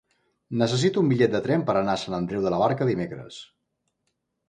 Necessito un bitllet de tren per anar a Sant Andreu de la Barca dimecres.